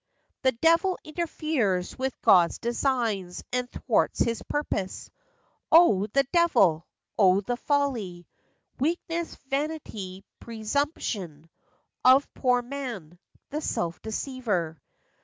"The devil interferes with God's designs, and thwarts his purpose." O, the devil! O, the folly, Weakness, vanity, presumption, Of poor man—the self deceiver